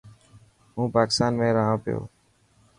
هون پاڪتان ۾ رهنا پيو.